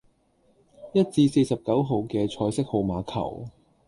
一至四十九號既彩色號碼球